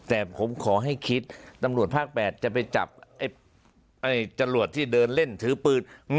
แต่ผมขอให้คิดตำรวจภาค๘จะไปจับจรวดที่เดินเล่นถือปืน